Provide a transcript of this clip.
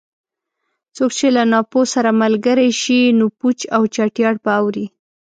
څوک چې له ناپوه سره ملګری شي؛ نو پوچ او چټیات به اوري.